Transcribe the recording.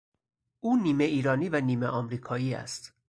او نیمه ایرانی و نیمه امریکایی است.